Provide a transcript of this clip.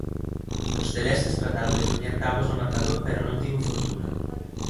Os celestes trataron de poñer táboas no marcador pero non tivo fortuna.